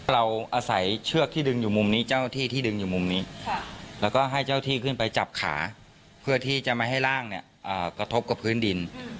แล้วก็ให้เจ้าที่ขึ้นไปจับขาเพื่อที่จะไม่ให้ร่างกระทบกับพื้นดิน